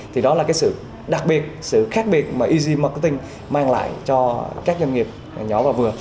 thì đó là cái sự đặc biệt sự khác biệt mà easy marketing mang lại cho các doanh nghiệp nhỏ và vừa